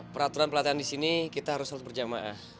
peraturan pelatihan disini kita harus sholat berjamaah